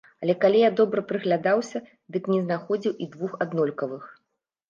Але калі я добра прыглядаўся, дык не знаходзіў і двух аднолькавых.